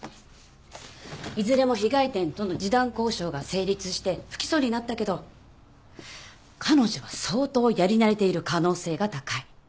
いずれも被害店との示談交渉が成立して不起訴になったけど彼女は相当やり慣れている可能性が高い。